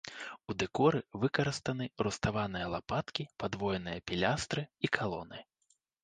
У дэкоры выкарыстаны руставаныя лапаткі, падвойныя пілястры і калоны.